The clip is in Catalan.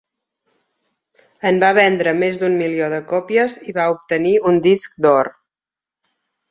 En va vendre més d'un milió de còpies i va obtenir un disc d'or.